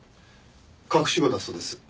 隠し子だそうです。